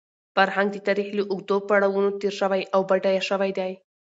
فرهنګ د تاریخ له اوږدو پړاوونو تېر شوی او بډایه شوی دی.